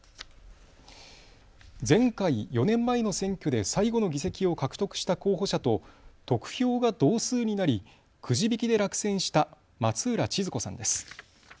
前回４年前の選挙で最後の議席を獲得した候補者と得票が同数になりくじ引きで落選した松浦千鶴子さんです。